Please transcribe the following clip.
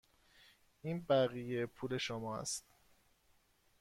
این بقیه پول شما است.